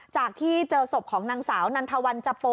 จากที่เจอศพของนางสาวนันทวันจโป